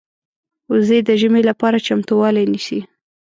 وزې د ژمې لپاره چمتووالی نیسي